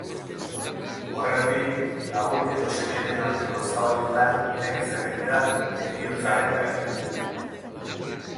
Horregatik, lagun edo senideen arteko eztabaidetan nekez ageri da heriotzaren gaia.